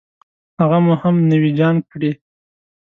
هغه مو هم نوي جان کړې.